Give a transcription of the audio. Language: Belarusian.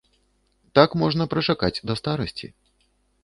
Так можна прачакаць да старасці.